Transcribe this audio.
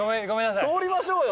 通りましょうよ。